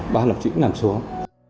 ba lập trĩ cũng nằm xuống